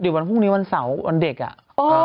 เดี๋ยววันพรุ่งนี้วันเสาร์วันเด็กอ่ะ